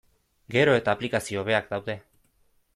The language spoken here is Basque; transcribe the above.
Gero eta aplikazio hobeak daude.